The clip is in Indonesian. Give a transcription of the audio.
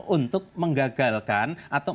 untuk menggagalkan atau